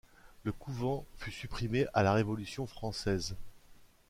Le couvent fut supprimé à la Révolution française.